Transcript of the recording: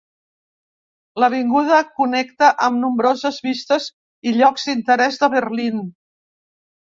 L'avinguda connecta amb nombroses vistes i llocs d'interès de Berlín.